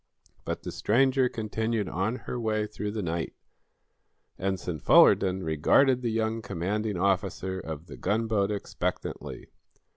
But the stranger continued on her way through the night. Ensign Fullerton regarded the young commanding officer of the gunboat expectantly.